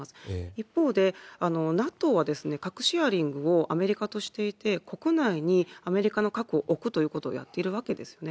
一方で、ＮＡＴＯは核シェアリングをアメリカとしていて、国内にアメリカの核を置くということをやっているわけですよね。